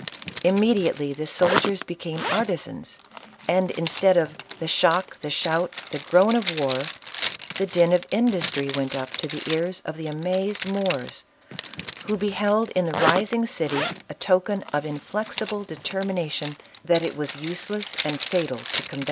Immediately the soldiers became artisans, and instead of " the shock, the shout, the groan of war," the din of industry went up to the ears of the amazed Moors, who beheld in the rising city a token of inflexi ble determination that it was useless and fatal to com ISABELLA OF CASTILE.